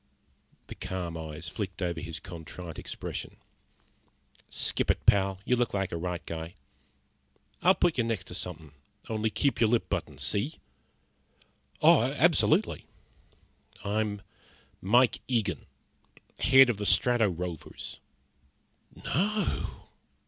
The calm eyes flicked over his contrite expression. "Skip it, pal. You look like a right guy. I'll put you next to somethin'. Only keep your lip buttoned, see?" "Oh, absolutely." "I'm Mike Eagen head of the Strato Rovers." "No!"